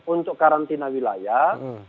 untuk karantina wilayah